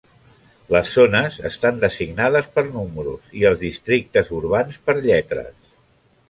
Les zones estan designades per números i els districtes urbans per lletres.